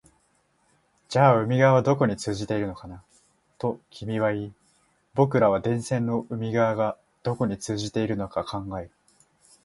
じゃあ海側はどこに通じているのかな、と君は言い、僕らは電線の海側がどこに通じているのか考える